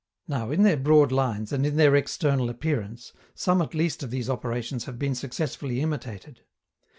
Now, in their broad lines and in their external appearance, some at least of these operations have been successfully imitated.